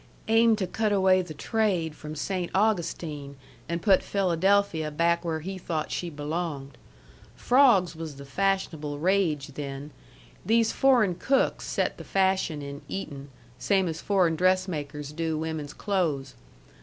"Aimed to cut away the trade from Saynt Augustine an' put Philadelphia back where he thought she belonged. Frawgs was the fashionable rage then. These foreign cooks set the fashion in eatin', same as foreign dressmakers do women's clothes.